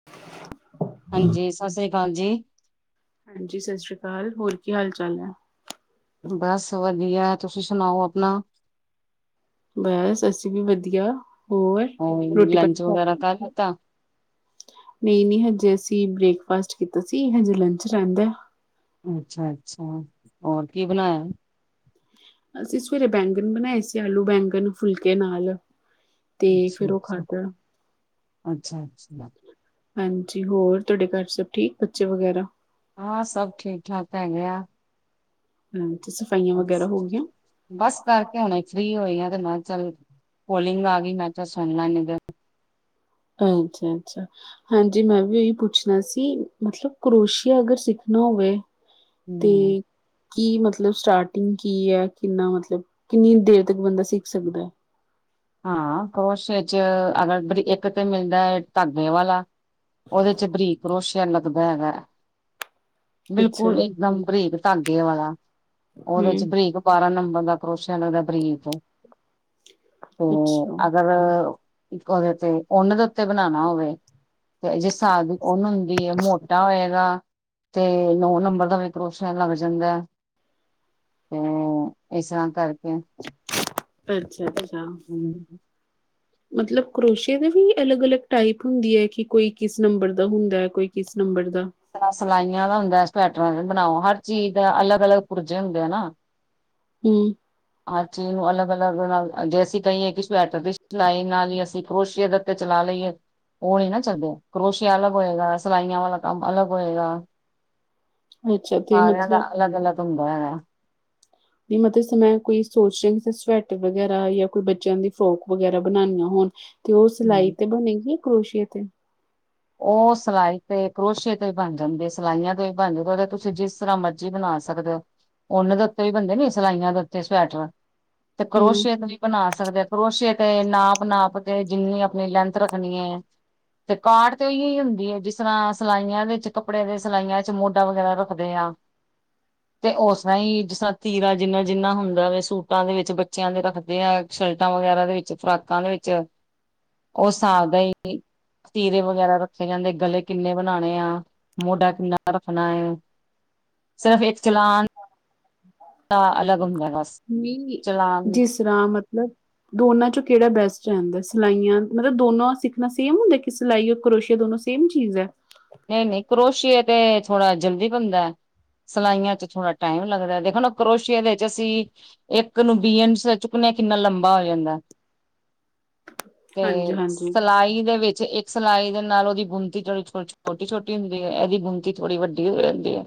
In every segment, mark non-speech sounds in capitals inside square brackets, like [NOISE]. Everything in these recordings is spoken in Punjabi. [UNINTELLIGIBLE] ਹਾਂਜੀ ਸਸ੍ਰੀ ਕਾਲ ਜੀ ਹਾਂਜੀ ਸਸ਼੍ਰੀ ਕਾਲ ਹੋਰ ਕੀ ਹਾਲ ਚਾਲ ਬਸ ਵਧੀਆ ਤੁਸੀਂ ਸੁਣਾਓ ਆਪਣਾ। ਬਸ ਅੱਸੀਂ ਵੀ ਵਧੀਆ ਹੋਰ ਰੋਟੀ ਪਾਣੀ ਖਾ ਕੱਲ ਤਾਂ। [UNINTELLIGIBLE] ਨਹੀਂ, ਨਹੀਂ ਹਜੇ ਅਸੀਂ ਬ੍ਰੇਕਫਾਸਟ ਕੀਤਾ ਸੀ ਹਜੇ ਲੰਚ ਰਹਿੰਦਾ ਅੱਛਾ ਅੱਛਾ ਹੋਰ ਕੀ ਬਣਾਇਆ ਅਸੀਂ ਸਵੇਰੇ ਬੈਂਗਣ ਬਣਾਏ ਸੀ ਆਲੂ ਬੈਂਗਣ ਫੁਲਕੇ ਨਾਲ ਤੇ ਅੱਛਾ, ਫਿਰ ਉਹ ਅੱਛਾ ਖਾਧਾ ਅੱਛਾ, ਅੱਛਾ ਹਾਂਜੀ ਹੋਰ ਤੁਹਾਡੇ ਘਰ ਸਭ ਠੀਕ ਬੱਚੇ ਵਗੈਰਾ ਹਾਂ ਸਭ ਠੀਕ ਠਾਕ ਹੈਗੇ ਆ ਹਾਂ ਤੇ ਸਫਾਈਆਂ ਵਗੈਰਾ ਬਸ ਹੋ ਗੀਆਂ ਬਸ ਕਰਕੇ ਹੁਣੇ ਫ੍ਰਰੀ ਹੋਈ ਆ ਤੇ ਮੈਂ ਕਿ ਚੱਲ ਪੋਲਿੰਗ ਆ ਗਈ ਮੈਂ ਚਲ ਸੁਣ ਲੈਂਣੀ ਇਨੀ ਦੇਰ ਅੱਛਾ, ਅੱਛਾ। ਹਾਂਜੀ। ਮੈਂ ਵੀ ਉਹੀ ਪੁੱਛਣਾ ਸੀ ਮਤਲਬ ਕਰੋਸ਼ੀਆ ਅਗਰ ਸਿੱਖਣਾ ਹੋਵੇ ਤੇ ਹੂੰ ਕੀ ਮਤਲਬ ਸਟਾਰਟ ਕੀ ਹੈ ਕਿੰਨਾ ਮਤਲਬ ਕਿੰਨੀ ਦੇਰ ਤੱਕ ਬੰਦਾ ਸਿੱਖ ਸਕਦਾ ਐ ਹਾਂ ਭੋਸ਼ੇ ਚ ਅਗਰ ਬਰੀ ਇੱਕ ਤੇ ਮਿਲਦਾ ਐ ਧਾਗੇ ਵਾਲਾ। ਉਹਦੇ ਚ ਬਰੀਕ ਰੋਸ਼ਆ ਲੱਗਦਾ ਹੈਗਾ ਐ ਅੱਛਾ ਬਿਲਕੁਲ ਇਹ ਦਮ ਬਰੀਕ ਧਾਗੇ ਵਾਲਾ ਉਹਦੇ ਚ ਹੂੰ, ਬਰੀਕ ਬਾਰਾਂ ਨੰਬਰ ਦਾ ਕਰੋਸ਼ਿਆ ਲੱਗਦਾ ਬਰੀਕ ਤੇ ਅੱਛਾ। ਅਗਰ ਉਹਦੇ ਤੇ ਉਨ ਦੇ ਉੱਤੇ ਬਣਾਉਣਾ ਹੋਵੇ ਤੇ ਜਿਸ ਸਾਹਬ ਦੀ ਉਨ ਹੁੰਦੀ ਹੈ ਮੋਟਾ ਹੋਏਗਾ। ਤੇ ਨੋ ਨੰਬਰ ਦਾ ਵੀ ਕਰੋਸ਼ ਲੱਗ ਜਾਂਦਾ ਐ ਤੇ ਇਸ ਤਰ੍ਹਾਂ ਕਰਕੇ ਅੱਛਾ ਅੱਛ ਹਮ। ਮਤਲਬ ਕਰੋਸ਼ੀਏ ਦੇ ਵੀ ਅਲੱਗ ਅਲੱਗ ਟਾਈਪ ਹੁੰਦੀ ਹੈ। ਕਿ ਕੋਈ ਕਿਸ ਨੰਬਰ ਦਾ ਹੁੰਦਾ ਹੈ ਕੋਈ ਕਿਸ ਨੰਬਰ ਦਾ। ਰ੍ਹਾਂ ਸਿਲਾਈਆਂ ਦਾ ਹੁੰਦਾ ਸਵੈਟਰਾਂ ਬਣਾਓ ਹਰ ਚੀਜ਼ ਦਾ ਅਲੱਗ ਅਲੱਗ ਪੁਰਜੇ ਹੁੰਦੇ ਆ ਨਾ। ਹਮ। ਹਰ ਚੀਜ਼ ਨੂੰ ਅਲੱਗ ਅਲੱਗ ਨਾਲ ਜੇ ਅਸੀਂ ਕਹੀਏ ਕਿ ਸਵੈਟਰ ਦੀ ਸਲਾਈ ਨਾਲ ਹੀ ਅਸੀਂ ਕਰੋਸ਼ਏ ਦਾ ਤੇ ਚਲਾ ਲਈਏ ਉਹ ਨੀ ਨਾ ਚੱਲਦੇ ਕਰੋਸ਼ਆ ਅਲੱਗ ਹੋਏਗਾ ਸਿਲਾਈਆਂ ਵਾਲਾ ਕੰਮ ਅਲੱਗ ਹੋਏਗਾ। ਅੱਛਾ ਤੇ ਸਾਰਿਆਂ ਦਾ ਮਤਲਬ ਅਲੱਗ, ਅਲੱਗ ਹੁੰਦਾ ਹੈਗਾ ਦੀ ਮਤ ਸਮ ਮੈਂ ਕੋਈ ਸੋਚ ਰਿਹਾ ਕਿ ਸਵੈਟਰ ਵਗੈਰਾ ਜਾਂ ਕੋਈ ਬੱਚਿਆਂ ਦੀ ਫਰੋਕ ਵਗੈਰਾ ਬਣਾਨੀਆਂ ਹੋਣ ਤੇ ਉਹ ਸਿਲਾਈ ਹੂੰ। ਤੇ ਬਣੇਗੀ ਕਰੋਸ਼ੀਏ ਤੇ? ਉਹ ਸਲਾਈ ਤੇ ਕਰੋਸ਼ੀਏ ਤੋਂ ਹੀ ਬਣ ਜਾਂਦੇ ਸਿਲਾਈਆਂ ਤੋਂ ਵੀ ਬਣ ਜਾਂ ਓਦੇ ਤੁਸੀਂ ਜਿਸ ਤਰ੍ਹਾਂ ਮਰਜੀ ਬਣਾ ਸਕਦੇ ਹੋ। ਉਨ ਦੇ ਉੱਤੇ ਵੀ ਬੰਦੇ ਨੀ ਸਿਲਾਈਆਂ ਦੇ ਉੱਤੇ ਸਵੈਟਰਾਂ ਤੇ ਹੂੰ, ਕਰੋਸ਼ਏ ਦਾ ਬਣਾ ਸਕਦੇ ਆਂ ਕਰੋਸ਼ੀਈਏ ਤੇ ਨਾਪ ਨਾਪ ਤੇ, ਜਿੰਨੀ ਆਪਣੀ ਲੈਂਥ ਰੱਖਣੀ ਹੈ। ਤੇ ਕਾਟ ਤੇ ਉਹੀ ਹੀ ਹੁੰਦੀ ਹੈ। ਜਿਸ ਤਰ੍ਹਾਂ ਸਿਲਾਈਆਂ ਦੇ ਕੱਪੜੇ ਦੇ, ਸਿਲਾਈਆਂ ਚ ਮੋਢਾ ਵਗੈਰਾ ਰੱਖਦੇ ਆ। ਤੇ ਉਸਰ੍ਹਾਂ ਹੀ ਜਿਸ ਤਰ੍ਹਾਂ ਤੀਰਾ। ਜਿੰਨਾ, ਜਿੰਨਾ ਹੁੰਦਾ ਵ ਸੂਟਾਂ ਦੇ ਵਿੱਚ ਬੱਚਿਆਂ ਦੇ ਰੱਖਦੇ ਆ, ਸ਼ਰਟਾਂ ਵਗੈਰਾ ਦੇ ਵਿੱਚ, ਫਰਾਕਾਂ ਦੇ ਵਿੱਚ। ਚ ਉਹ ਸਾਬ ਦਾ ਹੀ ਤਿਰੇ [UNINTELLIGIBLE] ਰੱਖੇ ਜਾਂਦੇ ਗਲੇ ਕਿੰਨੇ ਬਣਾਣੇ ਆ ਮੋਢਾ ਕਿੰਨਾ ਰੱਖਣਾ ਐ ਸਿਰਫ ਇਕ ਚਲਾਨ ਦਾ ਅਲੱਗ ਹੁੰਦਾ ਬਸ ਨਹੀ, ਚਲਾਨ ਜਿਸ ਤਰ੍ਹਾਂ ਮਤਲਬ ਦੋਨਾਂ ਚੋਂ ਕਿਹੜਾ ਬੈਸਟ ਰਹਿੰਦਾ, ਸਿਲਾਈਆਂ ਮਤਲਬ ਦੋਨੋ ਸਿੱਖਣਾ ਸੇਮ ਹੁੰਦਾ ਸਿੱਲਾਇਆਂ ਕਰੋਸ਼ੀਆ ਦੋਨੋ ਸੇਮ ਚੀਜ਼ ਹੈ? ਨਹੀਂ ਨਹੀਂ ਕਰੋਸ਼ੀਏ ਤੇ ਥੋੜਾ ਜਲਦੀ ਬਣਦਾ, ਸਿਲਾਈਆਂ ਚ ਥੋੜਾ ਟਾਈਮ ਲੱਗਦਾ ਦੇਖਣ ਕਰੋਸ਼ੀਆ ਦੇ ਵਿੱਚ ਅਸੀਂ ਇੱਕ ਨੂੰ ਬੀਅਨਸ ਚੁੱਕਦੇ ਹਾਂ, ਕਿੰਨਾ ਲੰਬਾ ਹੋ ਜਾਂਦਾ ਤੇ ਹਾਂਜੀ-ਹਾਂਜੀ। ਸਿਲਾਈ ਦੇ ਵਿੱਚ ਇੱਕ ਸਿਲਾਈ ਦੇ ਨਾਲ ਉਹਦੀ ਬੁਣਤੀ ਦੇ ਵਿਚ ਕੁਛ ਛੋਟੀ-ਛੋਟੀ ਹੁੰਦੀ ਹੈ, ਇਹਦੀ ਬੁਮਤੀ ਥੋੜ੍ਹੀ ਵੱਡੀ ਹੋ ਜਾਂਦੀ ਹੈ।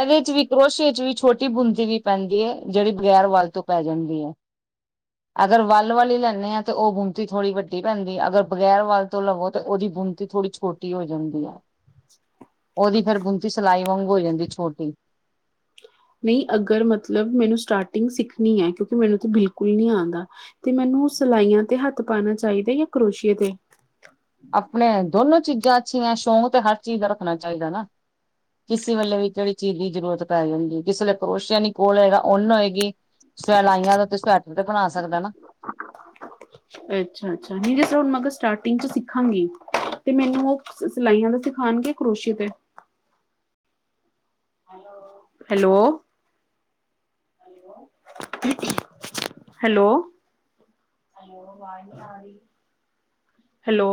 ਇਹਦੇ ਚ ਵੀ ਕਰੋਸ਼ੀਏ ਚ ਵੀ ਛੋਟੀ ਬੂੰਦੀ ਵੀ ਪੈਂਦੀ ਹੈ, ਜਿਹੜੀ ਬਗ਼ੈਰ ਵਲ ਤੋਂ ਪੈ ਜਾਂਦੀ ਹੈ। ਅਗਰ ਵੱਲ ਵਾਲੀ ਲੈਂਦੇ ਹਾਂ ਤੇ ਉਹ ਬੁਮਤੀ ਥੋੜੀ ਵੱਡੀ ਪੈਂਦੀ, ਅਗਰ ਬਗੈਰ ਵੱਲ ਤੋਂ ਲਵੋ ਤਾਂ ਉਹਦੀ ਬੁਮਤੀ ਥੋੜੀ ਛੋਟੀ ਹੋ ਜਾਂਦੀ ਹੈ, ਉਹਦੀ ਫੇਰ ਬੁਤੀ ਸਿਲਾਈ ਵਾਂਗ ਹੋ ਜਾਂਦੀ ਛੋਟੀ ਨਹੀਂ ਅਗਰ ਮਤਲਬ ਮੈਨੂੰ ਸਟਾਰਟਿੰਗ ਸਿੱਖਣੀ ਹੈ, ਕਿਉਂਕਿ ਮੈਨੂੰ ਤਾਂ ਬਿਲਕੁਲ ਨਹੀਂ ਆਉਂਦਾ ਤੇ ਮੈਨੂੰ ਸਿਲਾਈਆਂ ਤੇ ਹੱਥ ਪਾਉਣਾ ਚਾਹੀਦਾ, ਜਾਂ ਕਰੋਸ਼ੀਏ ਤੇ ਆਪਣੇ ਦੋਨੋ ਚੀਜ਼ਾਂ ਅੱਛੀਆਂ ਸ਼ੌਂਕ ਤੇ ਹਰ ਚੀਜ਼ ਦਾ ਰੱਖਣਾ ਚਾਹੀਦਾ ਨਾ ਕਿਸੇ ਵੇਲੇ ਵੀ ਜਿਹੜੀ ਚੀਜ਼ ਦੀ ਜ਼ਰੂਰਤ ਪੈ ਜਾਂਦੀ ਹੈ, ਕਿਸੇ ਵੇ ਕਰੋਸ਼ਿਆ ਯ ਨਹੀਂ ਕੋਲ ਹੋਏਗਾ ਉਨ ਹੋਏਗੀ, ਸਵੈਲਾਈਆਂ ਦਾ ਤੇ ਸਵੈਟਰ ਤੇ ਬਣਾ ਸਕਦਾ ਅੱਛਾ -ਅੱਛਾ ਨ ਜੇ ਹੁਣ, ਮੈਂ ਕਿਹਾ ਸਟਾਰਟਿੰਗ ਚ ਸਿੱਖਾਂਗੀ ਤੇ ਮੈਨੂੰ ਉਹ ਸਿਲਾਈਆਂ ਦਾ ਸਿਖਾਉਣਗੇ, ਕਰੋਸ਼ੀਯੇ ਤੇ ਹੈਲੋ! ਹੈਲੋ! ਹੈਲੋ! ਹੈਲੋ